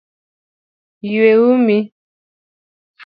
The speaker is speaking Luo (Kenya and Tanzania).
Yue umi